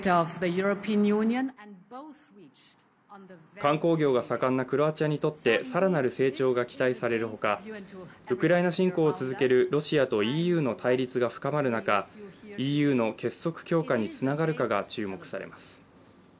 観光業が盛んなクロアチアにとって更なる成長が期待されるほかウクライナ侵攻を続けるロシアとＥＵの対立が深まる中、ＥＵの結束強化につながるかが注目されます。